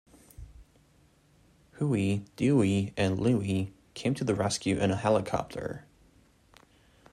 Huey, Dewey and Louie come to the rescue in a helicopter.